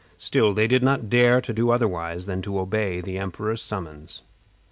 Still, they did not dare to do otherwise than to obey the emperor's summons.